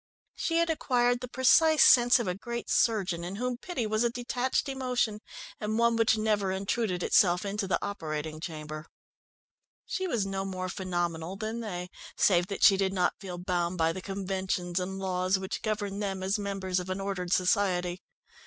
She had acquired the precise sense of a great surgeon in whom pity was a detached emotion, and one which never intruded itself into the operating chamber. She was no more phenomenal than they, save that she did not feel bound by the conventions and laws which govern them as members of an ordered society.